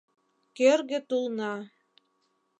Кӧргӧ тулна